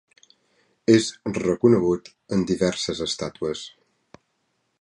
És reconegut en diverses estàtues.